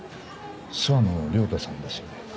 諏訪野良太さんですよね？